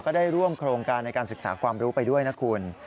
ได้ร่วมโครงการในการศึกษาความรู้ไปด้วยนะคุณ